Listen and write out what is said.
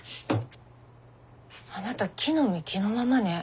あなた着のみ着のままね。